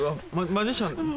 マジシャン？